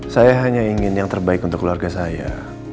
saya hanya ingin yang terbaik untuk keluarga saya